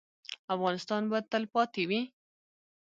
افغانستان به تلپاتې وي؟